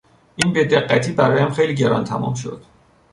این بی دقتی برایم خیلی گران تمام شد.